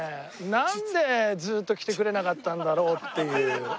なんでずっと来てくれなかったんだろうっていう。